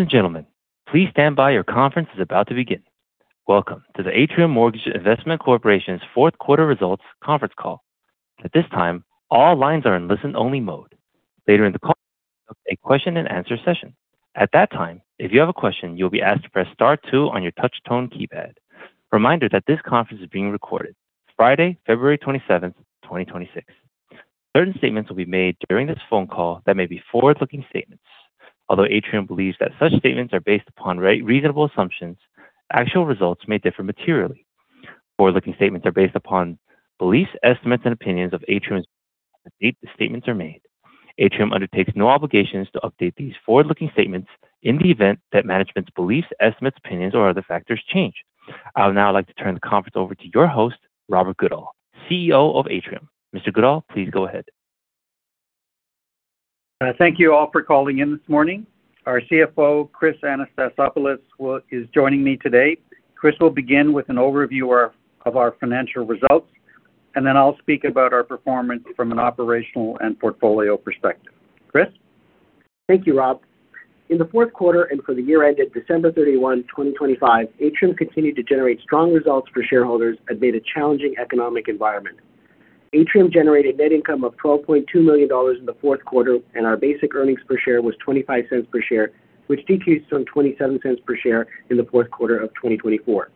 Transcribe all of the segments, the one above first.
Ladies and gentlemen, please stand by. Your conference is about to begin. Welcome to the Atrium Mortgage Investment Corporation's fourth quarter results conference call. At this time, all lines are in listen-only mode. Later in the call, a question and answer session. At that time, if you have a question, you'll be asked to press star two on your touch tone keypad. Reminder that this conference is being recorded. Friday, February 27th, 2026. Certain statements will be made during this phone call that may be forward-looking statements. Although Atrium believes that such statements are based upon reasonable assumptions, actual results may differ materially. Forward-looking statements are based upon beliefs, estimates, and opinions of Atrium's statements are made. Atrium undertakes no obligations to update these forward-looking statements in the event that management's beliefs, estimates, opinions, or other factors change. I would now like to turn the conference over to your host, Robert Goodall, CEO of Atrium. Mr. Goodall, please go ahead. Thank you all for calling in this morning. Our CFO, Chris Anastasopoulos, is joining me today. Chris will begin with an overview of our financial results, and then I'll speak about our performance from an operational and portfolio perspective. Chris? Thank you, Rob. In the fourth quarter and for the year ended December 31, 2025, Atrium continued to generate strong results for shareholders amid a challenging economic environment. Atrium generated net income of 12.2 million dollars in the fourth quarter, and our basic earnings per share was 0.25 per share, which decreased from 0.27 per share in the fourth quarter of 2024.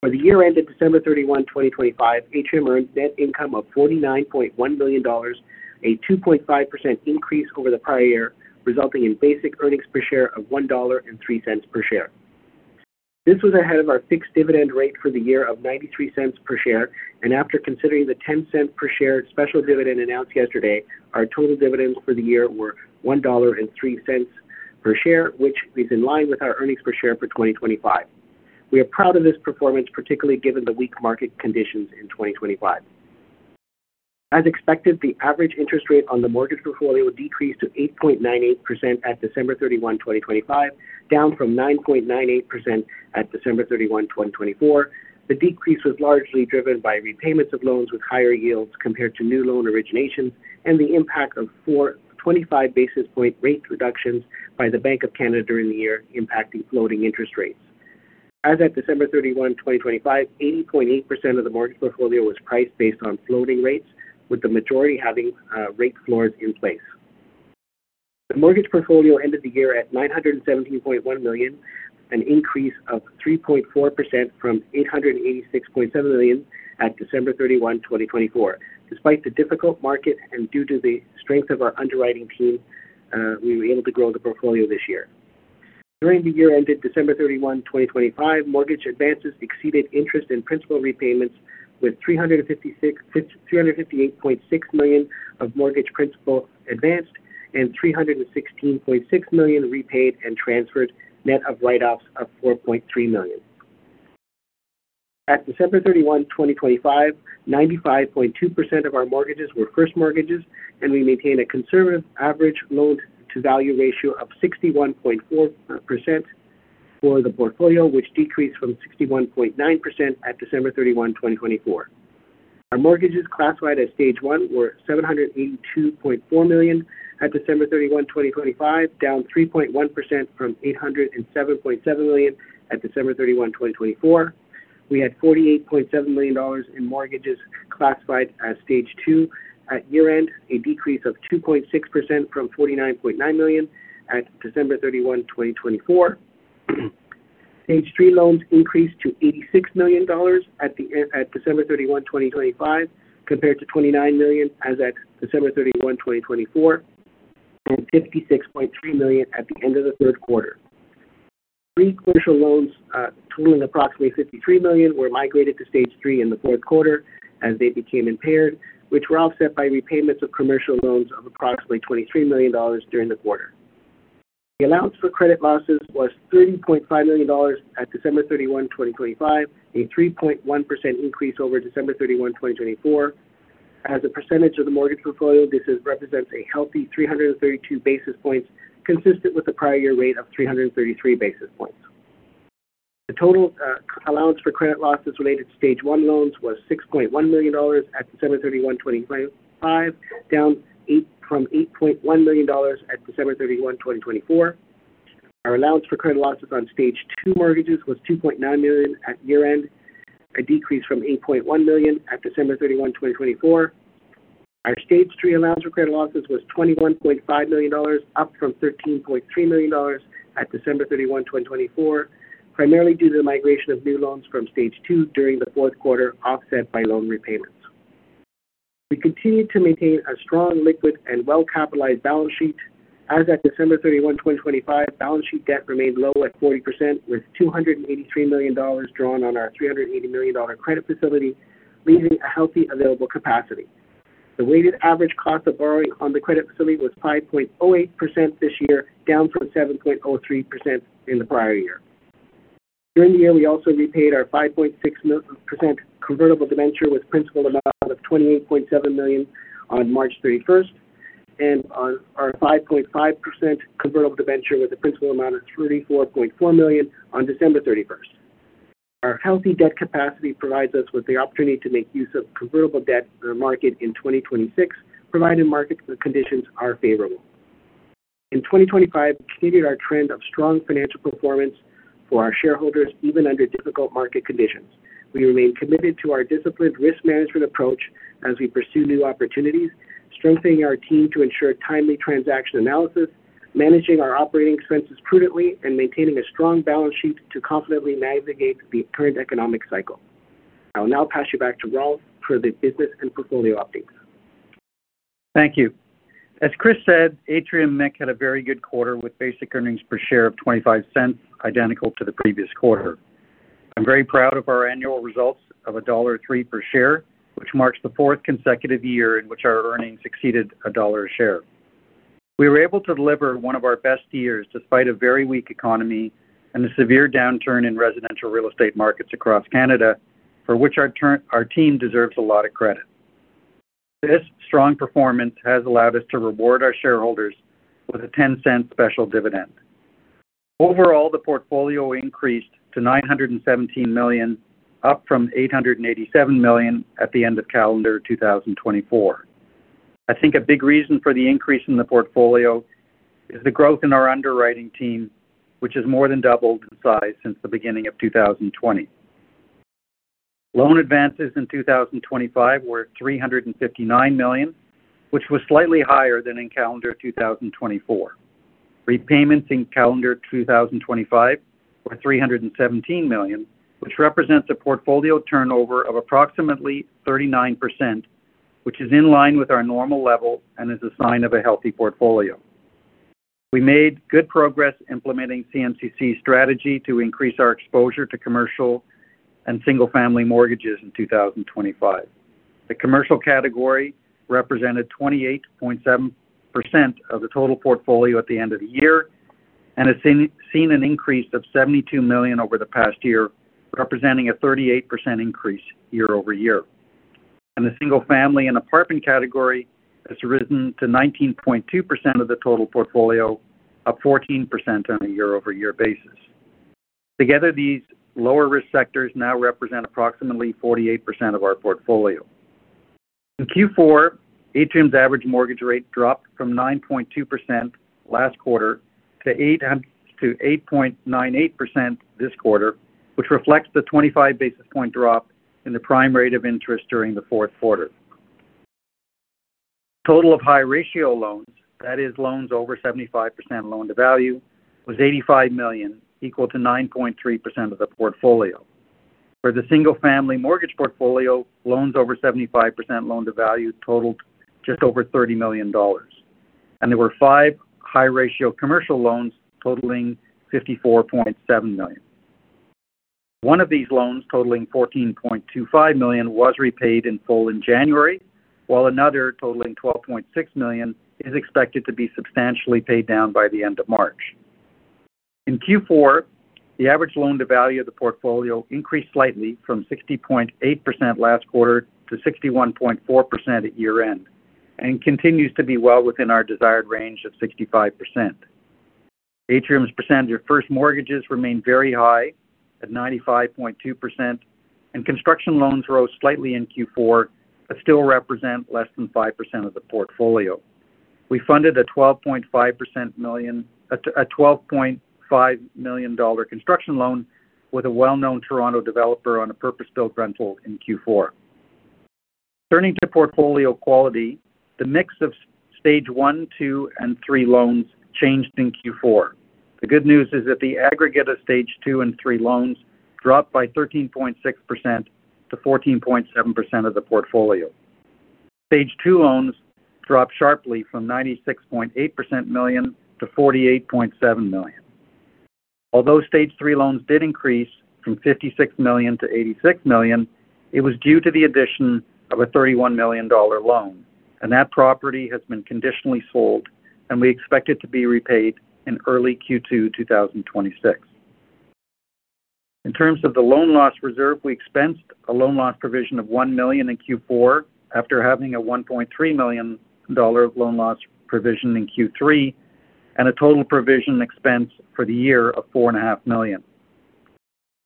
For the year ended December 31, 2025, Atrium earned net income of 49.1 million dollars, a 2.5% increase over the prior year, resulting in basic earnings per share of 1.03 dollar per share. This was ahead of our fixed dividend rate for the year of 0.93 per share. After considering the 0.10 per share special dividend announced yesterday, our total dividends for the year were 1.03 dollar per share, which is in line with our earnings per share for 2025. We are proud of this performance, particularly given the weak market conditions in 2025. As expected, the average interest rate on the mortgage portfolio decreased to 8.98% at December 31, 2025, down from 9.98% at December 31, 2024. The decrease was largely driven by repayments of loans with higher yields compared to new loan originations and the impact of 4 25 basis point rate reductions by the Bank of Canada during the year, impacting floating interest rates. As at December 31, 2025, 80.8% of the mortgage portfolio was priced based on floating rates, with the majority having rate floors in place. The mortgage portfolio ended the year at 917.1 million, an increase of 3.4% from 886.7 million at December 31, 2024. Despite the difficult market and due to the strength of our underwriting team, we were able to grow the portfolio this year. During the year ended December 31, 2025, mortgage advances exceeded interest in principal repayments, with 358.6 million of mortgage principal advanced and 316.6 million repaid and transferred, net of write-offs of 4.3 million. At December 31, 2025, 95.2% of our mortgages were first mortgages, and we maintain a conservative average loan-to-value ratio of 61.4% for the portfolio, which decreased from 61.9% at December 31, 2024. Our mortgages classified as Stage 1 were 782.4 million at December 31, 2025, down 3.1% from 807.7 million at December 31, 2024. We had 48.7 million dollars in mortgages classified as Stage 2 at year-end, a decrease of 2.6% from 49.9 million at December 31, 2024. Stage 3 loans increased to 86 million dollars at December 31, 2025, compared to 29 million as at December 31, 2024, and 56.3 million at the end of the third quarter. Three commercial loans, totaling approximately 53 million, were migrated to Stage 3 in the fourth quarter as they became impaired, which were offset by repayments of commercial loans of approximately 23 million dollars during the quarter. The allowance for credit losses was 30.5 million dollars at December 31, 2025, a 3.1% increase over December 31, 2024. As a percentage of the mortgage portfolio, this represents a healthy 332 basis points, consistent with the prior year rate of 333 basis points. The total allowance for credit losses related to Stage 1 loans was 6.1 million dollars at December 31, 2025, down from 8.1 million dollars at December 31, 2024. Our allowance for credit losses on Stage 2 mortgages was 2.9 million at year-end, a decrease from 8.1 million at December 31, 2024. Our Stage 3 allowance for credit losses was 21.5 million dollars, up from 13.3 million dollars at December 31, 2024, primarily due to the migration of new loans from Stage 2 during the fourth quarter, offset by loan repayments. We continued to maintain a strong liquid and well-capitalized balance sheet. As at December 31, 2025, balance sheet debt remained low at 40%, with 283 million dollars drawn on our 380 million dollar credit facility, leaving a healthy available capacity. The weighted average cost of borrowing on the credit facility was 5.08% this year, down from 7.03% in the prior year. During the year, we also repaid our 5.6% convertible debenture with principal amount of 28.7 million on March 31, and our 5.5% convertible debenture with a principal amount of 34.4 million on December 31. Our healthy debt capacity provides us with the opportunity to make use of convertible debt in the market in 2026, provided market conditions are favorable. In 2025, we continued our trend of strong financial performance for our shareholders, even under difficult market conditions. We remain committed to our disciplined risk management approach as we pursue new opportunities, strengthening our team to ensure timely transaction analysis, managing our operating expenses prudently, and maintaining a strong balance sheet to confidently navigate the current economic cycle. I will now pass you back to Rob for the business and portfolio update. Thank you. As Chris said, Atrium MIC had a very good quarter, with basic earnings per share of 0.25, identical to the previous quarter. I'm very proud of our annual results of dollar 1.03 per share, which marks the fourth consecutive year in which our earnings exceeded CAD 1 a share. We were able to deliver one of our best years, despite a very weak economy and the severe downturn in residential real estate markets across Canada, for which our team deserves a lot of credit. This strong performance has allowed us to reward our shareholders with a 0.10 special dividend. Overall, the portfolio increased to 917 million, up from 887 million at the end of calendar 2024. I think a big reason for the increase in the portfolio is the growth in our underwriting team, which has more than doubled in size since the beginning of 2020. Loan advances in 2025 were 359 million, which was slightly higher than in calendar 2024. Repayments in calendar 2025 were 317 million, which represents a portfolio turnover of approximately 39%, which is in line with our normal level and is a sign of a healthy portfolio. We made good progress implementing CMCC's strategy to increase our exposure to commercial and single-family mortgages in 2025. The commercial category represented 28.7% of the total portfolio at the end of the year and has seen an increase of 72 million over the past year, representing a 38% increase year-over-year. In the single-family and apartment category, it's risen to 19.2% of the total portfolio, up 14% on a year-over-year basis. Together, these lower-risk sectors now represent approximately 48% of our portfolio. In Q4, Atrium's average mortgage rate dropped from 9.2% last quarter to 8.98% this quarter, which reflects the 25 basis point drop in the prime rate of interest during the fourth quarter. Total of high-ratio loans, that is, loans over 75% loan-to-value, was 85 million, equal to 9.3% of the portfolio. For the single-family mortgage portfolio, loans over 75% loan-to-value totaled just over 30 million dollars, and there were 5 high-ratio commercial loans totaling 54.7 million. One of these loans, totaling 14.25 million, was repaid in full in January, while another, totaling 12.6 million, is expected to be substantially paid down by the end of March. In Q4, the average loan-to-value of the portfolio increased slightly from 60.8% last quarter to 61.4% at year-end, and continues to be well within our desired range of 65%. Atrium's percentage of first mortgages remain very high at 95.2%, and construction loans rose slightly in Q4, but still represent less than 5% of the portfolio. We funded a 12.5 million dollar construction loan with a well-known Toronto developer on a purpose-built rental in Q4. Turning to portfolio quality, the mix of Stage 1, 2, and 3 loans changed in Q4. The good news is that the aggregate of Stage 2 and 3 loans dropped by 13.6% to 14.7% of the portfolio. Stage 2 loans dropped sharply from 96.8 million-48.7 million. Although Stage 3 loans did increase from 56 million-86 million, it was due to the addition of a 31 million dollar loan, and that property has been conditionally sold, and we expect it to be repaid in early Q2, 2026. In terms of the loan loss reserve, we expensed a loan loss provision of 1 million in Q4, after having a 1.3 million dollar loan loss provision in Q3, and a total provision expense for the year of 4.5 million.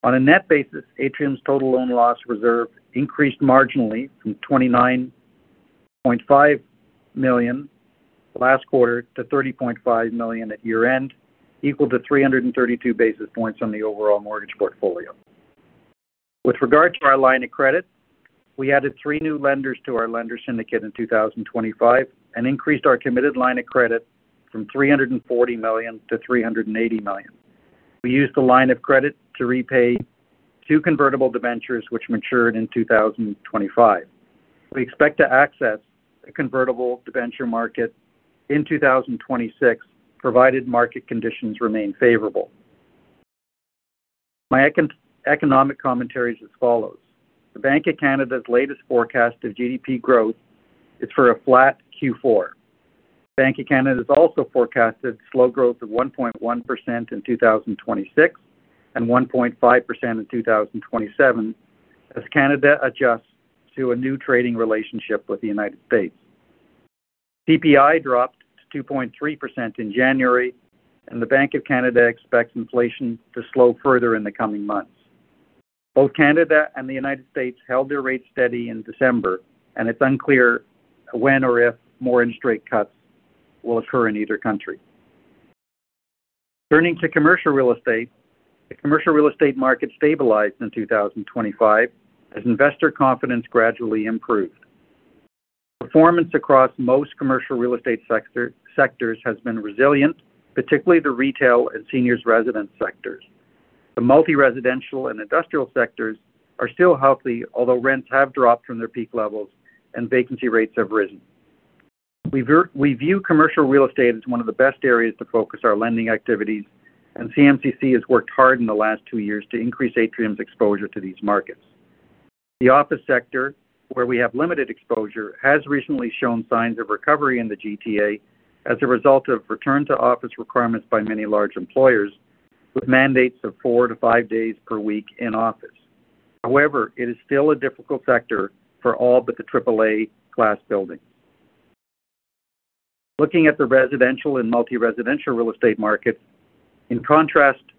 On a net basis, Atrium's total loan loss reserve increased marginally from 29.5 million last quarter to 30.5 million at year-end, equal to 332 basis points on the overall mortgage portfolio. With regard to our line of credit, we added three new lenders to our lender syndicate in 2025 and increased our committed line of credit from 340 million-380 million. We used the line of credit to repay two convertible debentures, which matured in 2025. We expect to access the convertible debenture market in 2026, provided market conditions remain favorable. My economic commentary is as follows: The Bank of Canada's latest forecast of GDP growth is for a flat Q4. Bank of Canada has also forecasted slow growth of 1.1% in 2026 and 1.5% in 2027, as Canada adjusts to a new trading relationship with the United States. CPI dropped to 2.3% in January. The Bank of Canada expects inflation to slow further in the coming months. Both Canada and the United States held their rates steady in December. It's unclear when or if more interest rate cuts will occur in either country. Turning to commercial real estate. The commercial real estate market stabilized in 2025 as investor confidence gradually improved. Performance across most commercial real estate sectors has been resilient, particularly the retail and seniors residence sectors. The multi-residential and industrial sectors are still healthy, although rents have dropped from their peak levels and vacancy rates have risen. We view commercial real estate as one of the best areas to focus our lending activities. CMCC has worked hard in the last two years to increase Atrium's exposure to these markets. The office sector, where we have limited exposure, has recently shown signs of recovery in the GTA as a result of return to office requirements by many large employers, with mandates of 4-5 days per week in office. It is still a difficult sector for all but the AAA Class buildings. Looking at the residential and multi-residential real estate markets, in contrast to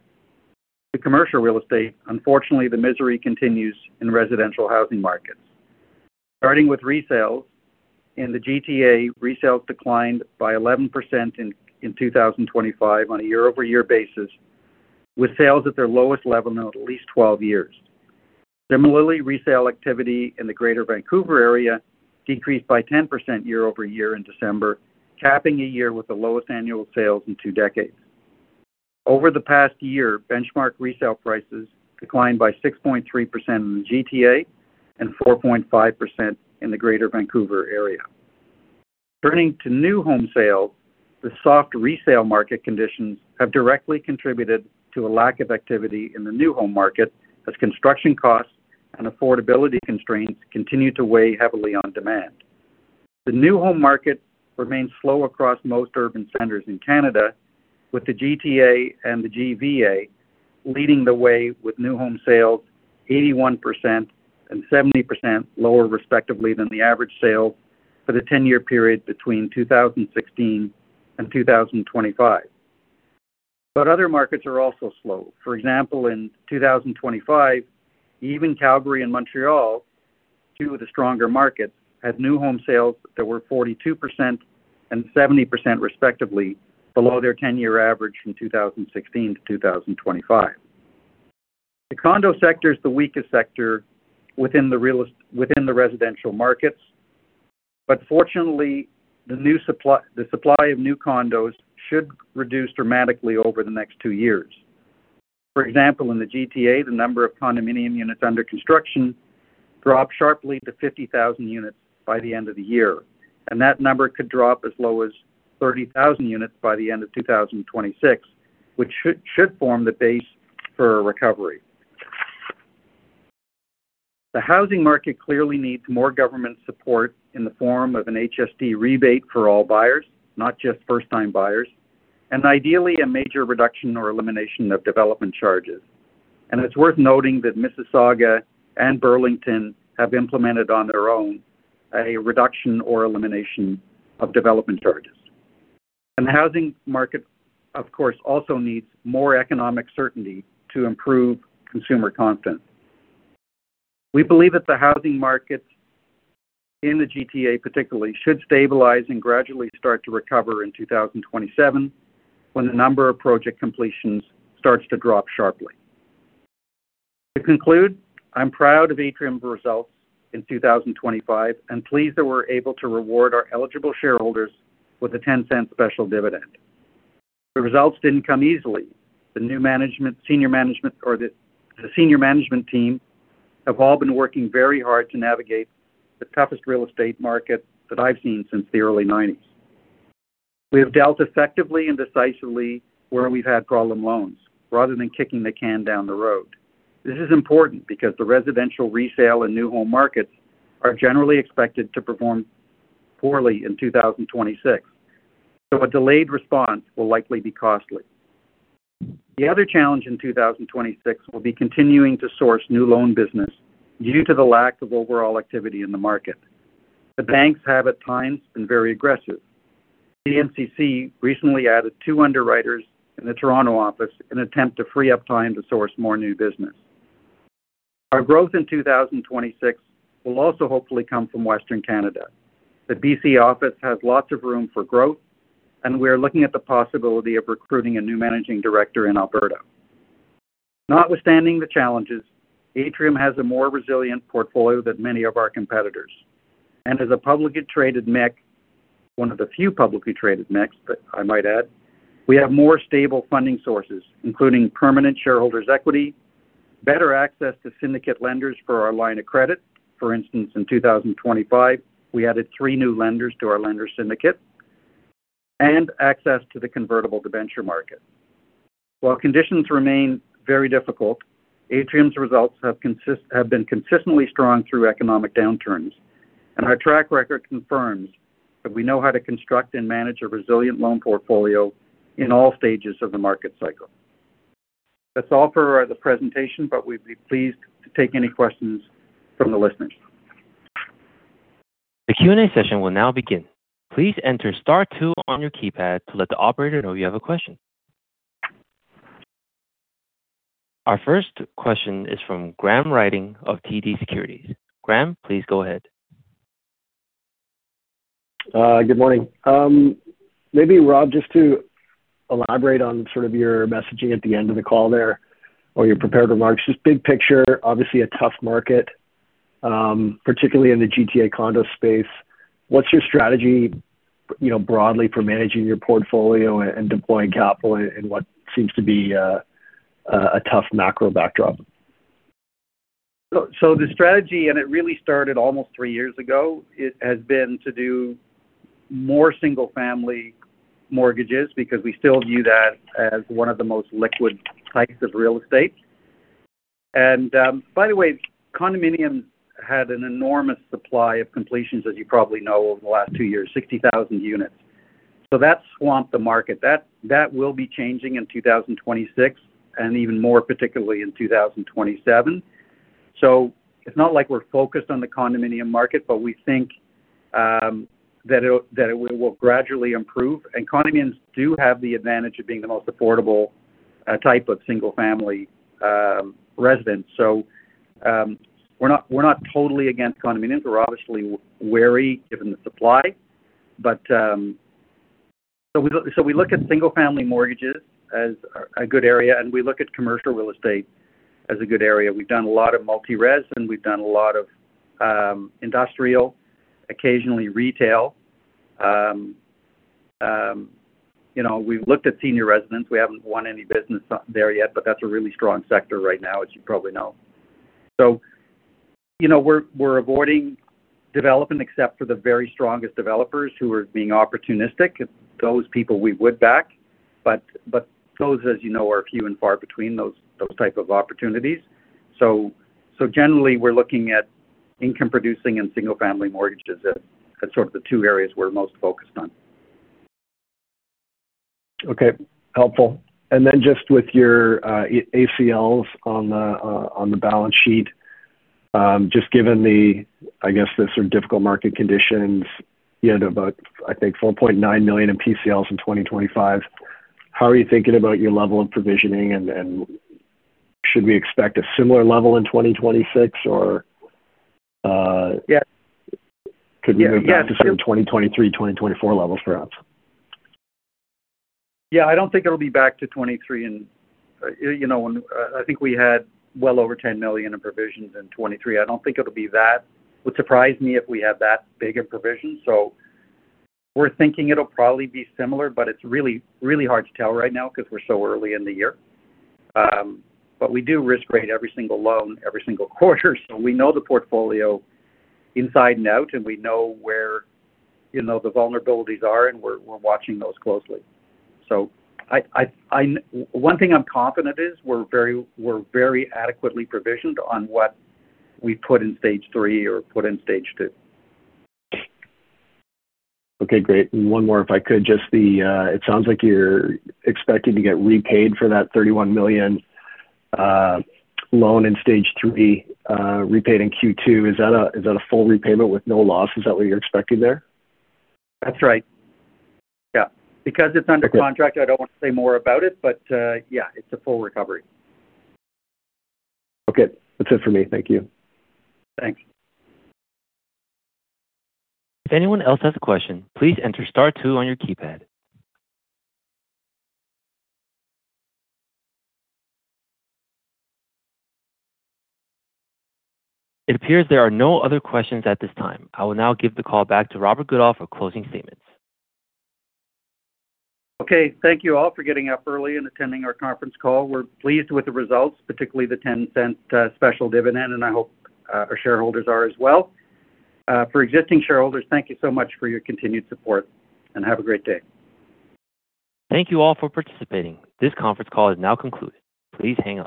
commercial real estate, unfortunately, the misery continues in residential housing markets. Starting with resales, in the GTA, resales declined by 11% in 2025 on a year-over-year basis, with sales at their lowest level in at least 12 years. Resale activity in the Greater Vancouver area decreased by 10% year-over-year in December, capping a year with the lowest annual sales in 2 decades. Over the past year, benchmark resale prices declined by 6.3% in the GTA and 4.5% in the Greater Vancouver area. Turning to new home sales, the soft resale market conditions have directly contributed to a lack of activity in the new home market, as construction costs and affordability constraints continue to weigh heavily on demand. The new home market remains slow across most urban centers in Canada, with the GTA and the GVA leading the way, with new home sales 81% and 70% lower, respectively, than the average sale for the 10-year period between 2016 and 2025. Other markets are also slow. For example, in 2025, even Calgary and Montreal, two of the stronger markets, had new home sales that were 42% and 70% respectively below their 10-year average from 2016 to 2025. The condo sector is the weakest sector within the residential markets, but fortunately, the supply of new condos should reduce dramatically over the next 2 years. For example, in the GTA, the number of condominium units under construction dropped sharply to 50,000 units by the end of the year, and that number could drop as low as 30,000 units by the end of 2026, which should form the base for a recovery. The housing market clearly needs more government support in the form of an HST rebate for all buyers, not just first-time buyers, and ideally, a major reduction or elimination of development charges. It's worth noting that Mississauga and Burlington have implemented on their own a reduction or elimination of development charges. The housing market, of course, also needs more economic certainty to improve consumer confidence. We believe that the housing markets in the GTA particularly, should stabilize and gradually start to recover in 2027, when the number of project completions starts to drop sharply. To conclude, I'm proud of Atrium's results in 2025, and pleased that we're able to reward our eligible shareholders with a 0.10 special dividend. The results didn't come easily. The new management, senior management, or the senior management team, have all been working very hard to navigate the toughest real estate market that I've seen since the early nineties. We have dealt effectively and decisively where we've had problem loans, rather than kicking the can down the road. This is important because the residential, resale, and new home markets are generally expected to perform poorly in 2026, so a delayed response will likely be costly. The other challenge in 2026 will be continuing to source new loan business due to the lack of overall activity in the market. The banks have, at times, been very aggressive. CMCC recently added two underwriters in the Toronto office in an attempt to free up time to source more new business. Our growth in 2026 will also hopefully come from Western Canada. The BC office has lots of room for growth. We are looking at the possibility of recruiting a new managing director in Alberta. Notwithstanding the challenges, Atrium has a more resilient portfolio than many of our competitors, and as a publicly traded MIC, one of the few publicly traded MICs, but I might add, we have more stable funding sources, including permanent shareholders' equity, better access to syndicate lenders for our line of credit. For instance, in 2025, we added 3 new lenders to our lender syndicate and access to the convertible debenture market. While conditions remain very difficult, Atrium's results have been consistently strong through economic downturns, and our track record confirms that we know how to construct and manage a resilient loan portfolio in all stages of the market cycle. That's all for the presentation. We'd be pleased to take any questions from the listeners. The Q&A session will now begin. Please enter star 2 on your keypad to let the operator know you have a question. Our first question is from Graham Ryding of TD Securities. Graham, please go ahead. Good morning. Maybe, Rob, just to elaborate on sort of your messaging at the end of the call there, or your prepared remarks, just big picture, obviously a tough market, particularly in the GTA condo space. What's your strategy, you know, broadly for managing your portfolio and deploying capital in what seems to be a tough macro backdrop? The strategy, and it really started almost three years ago, it has been to do more single-family mortgages because we still view that as one of the most liquid types of real estate. By the way, condominiums had an enormous supply of completions, as you probably know, over the last two years, 60,000 units. That swamped the market. That will be changing in 2026, and even more, particularly in 2027. It's not like we're focused on the condominium market, but we think that it will gradually improve. Condominiums do have the advantage of being the most affordable type of single-family residence. We're not totally against condominiums. We're obviously wary given the supply, but so we look at single-family mortgages as a good area, and we look at commercial real estate as a good area. We've done a lot of multi-res, and we've done a lot of industrial, occasionally retail. You know, we've looked at senior residents. We haven't won any business there yet, but that's a really strong sector right now, as you probably know. You know, we're avoiding development, except for the very strongest developers who are being opportunistic. Those people we would back, but those, as you know, are few and far between, those type of opportunities. Generally, we're looking at income-producing and single-family mortgages as sort of the two areas we're most focused on. Okay, helpful. Just with your ACLs on the balance sheet, just given the, I guess, the sort of difficult market conditions, you had about, I think, 4.9 million in PCLs in 2025. How are you thinking about your level of provisioning, and should we expect a similar level in 2026? Yeah. Could we move back to 2023, 2024 levels, perhaps? I don't think it'll be back to 2023 and, you know, I think we had well over $10 million in provisions in 2023. I don't think it'll be that. It would surprise me if we have that big a provision. We're thinking it'll probably be similar. It's really, really hard to tell right now because we're so early in the year. We do risk rate every single loan, every single quarter. We know the portfolio inside and out, and we know where, you know, the vulnerabilities are, and we're watching those closely. One thing I'm confident is we're very adequately provisioned on what we put in Stage 3 or put in Stage 2. Okay, great. One more, if I could. Just the, it sounds like you're expecting to get repaid for that 31 million loan in Stage 3, repaid in Q2. Is that a full repayment with no loss? Is that what you're expecting there? That's right. Yeah. Because it's under contract, I don't want to say more about it, but, yeah, it's a full recovery. Okay. That's it for me. Thank you. Thanks. If anyone else has a question, please enter star 2 on your keypad. It appears there are no other questions at this time. I will now give the call back to Robert Goodall for closing statements. Okay. Thank you all for getting up early and attending our conference call. We're pleased with the results, particularly the 0.10 special dividend, and I hope, our shareholders are as well. For existing shareholders, thank you so much for your continued support, and have a great day. Thank you all for participating. This conference call is now concluded. Please hang up.